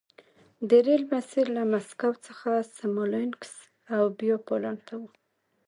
د ریل مسیر له مسکو څخه سمولینکس او بیا پولنډ ته و